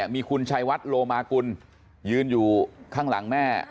มีคุณชัยวัดโลมากุลยืนอยู่ข้างหลังแม่